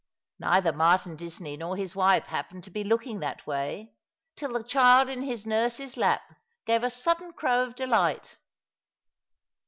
Neither Martin Disney nor his wife happened to be looking that way, till the child in his nurse's lap gave a sudden crow of delight.